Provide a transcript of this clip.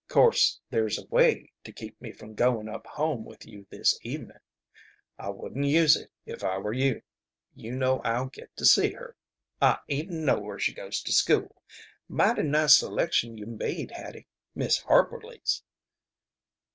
Course there's a way to keep me from goin' up home with you this evenin'. I wouldn't use it, if I were you. You know I'll get to see her. I even know where she goes to school. Mighty nice selection you made, Hattie, Miss Harperly's."